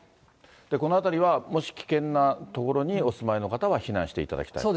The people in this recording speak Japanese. この辺りはもし危険な所にお住まいの方は避難していただきたいと。